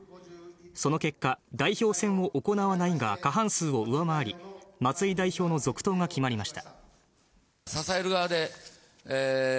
その結果、代表選を行わないが過半数を上回り松井代表の続投が決まりました。